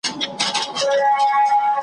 چي یې تباه سول کلي کورونه .